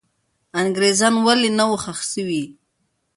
انګریزان ولې نه وو ښخ سوي؟